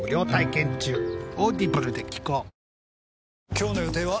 今日の予定は？